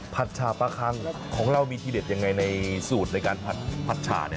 ผัดชาปะคังของเรามีทีเด็ดยังไงในสูตรในการผัดชา